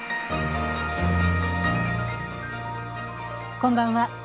こんばんは。